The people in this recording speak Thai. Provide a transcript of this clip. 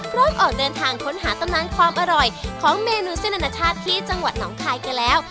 ออกเดินทางค้นหาตำนานความอร่อยของเมนูเส้นอนาชาติที่จังหวัดหนองคายกันแล้ว